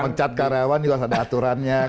mencat karyawan juga harus ada aturannya